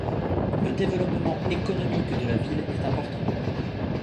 Le développement économique de la ville est important.